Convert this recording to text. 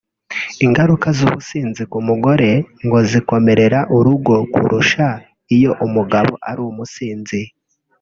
Ingaruka z’ubusinzi ku mugore ngo zikomerera urugo kurusha iyo umugabo ari umusinzi